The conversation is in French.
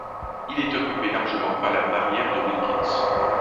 Il est occupé largement par la barrière de Wilkins.